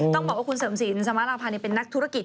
ต้องบอกว่าคุณเสริมศิลปมาราพันธ์เป็นนักธุรกิจ